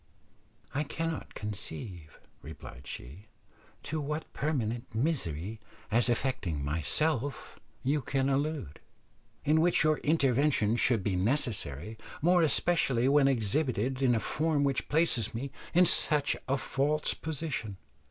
"I cannot conceive," replied she, "to what permanent misery, as affecting myself, you can allude, in which your intervention should be necessary, more especially when exhibited in a form which places me in such a false position.